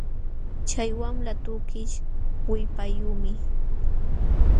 Chay wamla tukish willpayuqmi